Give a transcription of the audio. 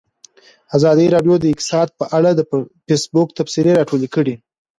ازادي راډیو د اقتصاد په اړه د فیسبوک تبصرې راټولې کړي.